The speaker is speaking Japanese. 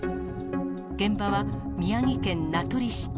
現場は宮城県名取市。